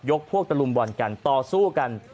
พวกตะลุมบ่อนกันต่อสู้กัน